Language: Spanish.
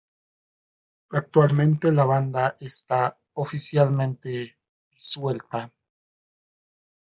Actualmente la banda está oficialmente disuelta.